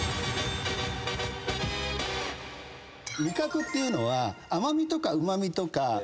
味覚っていうのは甘味とかうま味とか。